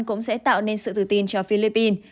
cũng sẽ tạo nên sự tự tin cho philippines